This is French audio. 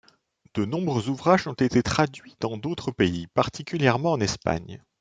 De nombreux ouvrages ont été traduits dans d'autres pays, particulièrement en Espagne.